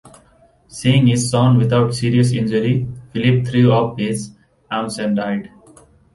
Seeing his son without serious injury, Philip threw up his arms and died.